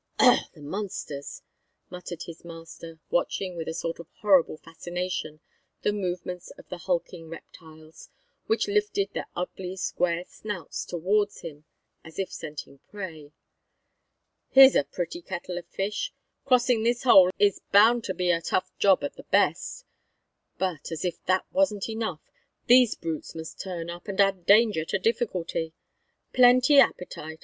"Ugh, the monsters!" muttered his master, watching with a sort of horrible fascination the movements of the hulking reptiles, which lifted their ugly, square snouts towards him as if scenting prey. "Here's a pretty kettle of fish! Crossing this hole is hound to be a tough job at the best but, as if that wasn't enough, these brutes must turn up and add danger to difficulty. Plenty appetite?